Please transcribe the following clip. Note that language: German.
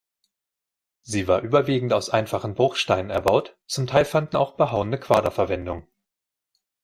Sie war überwiegend aus einfachen Bruchsteinen erbaut, zum Teil fanden auch behauene Quader Verwendung.